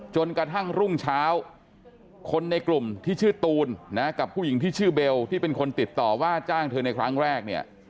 จนกระทั่งรุ่งเช้าคนในกลุ่มที่ชื่อตูนนะกับผู้หญิงที่ชื่อเบลที่เป็นคนติดต่อว่าจ้างเธอในครั้งแรกเนี่ย